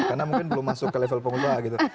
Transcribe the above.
karena mungkin belum masuk ke level pengguna gitu